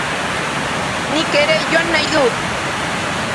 Nik ere joan nahi dut.